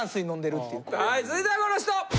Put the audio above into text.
はい続いてはこの人！